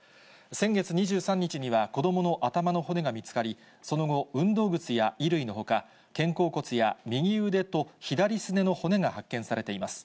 先月２３日には子どもの頭の骨が見つかり、その後、運動靴や衣類のほか、肩甲骨や右腕と左すねの骨が発見されています。